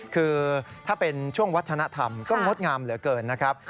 คือถ้าเป็นช่วงวัฒนธรรมก็งดงามเหลือเกินนะครับ